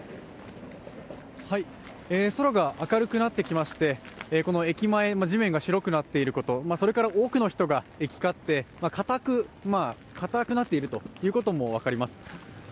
空が明るくなってきまして、駅前、地面が白くなっていること、それから多くの人が行き交って、かたくなっていることも分かります。